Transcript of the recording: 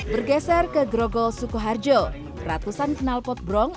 pergeser ke grogol sukuharjo ratusan kenalpot brong